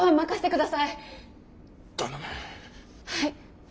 はい。